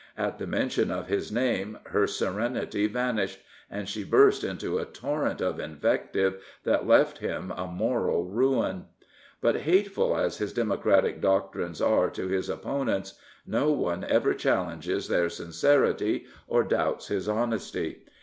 At the mention of his name her serenity vanished, and she burst into a torrent of invective that left him a moral ruin. But, hateful as his democratic doctrines are to his opponents, no one ever challenges their sincerity or doubts his honesty.